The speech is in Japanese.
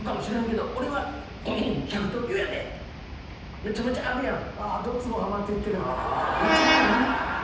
めちゃめちゃあるやん。